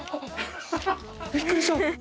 びっくりした！